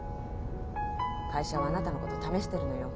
会社はあなたのこと試してるのよ。